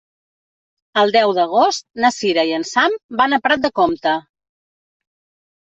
El deu d'agost na Sira i en Sam van a Prat de Comte.